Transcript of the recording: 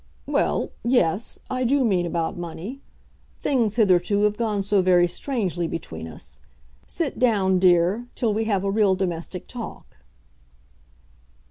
"Well; yes; I do mean about money. Things hitherto have gone so very strangely between us. Sit down, dear, till we have a real domestic talk."